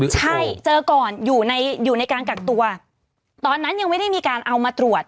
ใช่เจอก่อนอยู่ในอยู่ในการกักตัวตอนนั้นยังไม่ได้มีการเอามาตรวจ